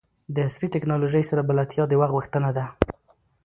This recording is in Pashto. د عصري ټکنالوژۍ سره بلدتیا د وخت غوښتنه ده.